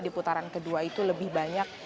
di putaran kedua itu lebih banyak